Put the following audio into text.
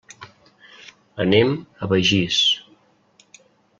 Anem a Begís.